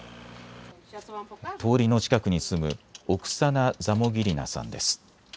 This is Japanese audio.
通りの近くに住むオクサナ・ザモギリナさんです。